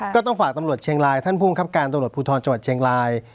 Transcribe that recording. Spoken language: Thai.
ก็ต้องฝากตำรวจเชียงรายท่านผู้บังคับการตำรวจภูทรจังหวัดเชียงราย